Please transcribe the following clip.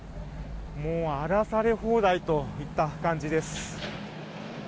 もう、荒らされ放題といった感じです。